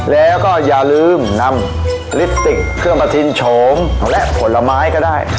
แล้วก็อย่าลืมนำลิปสติกเครื่องประทินโฉมและผลไม้ก็ได้